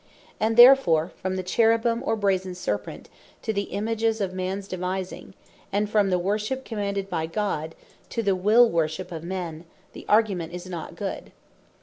And therefore from the Cherubins, or Brazen Serpent, to the Images of mans devising; and from the Worship commanded by God, to the Will Worship of men, the argument is not good.